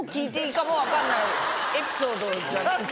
エピソードじゃないですか？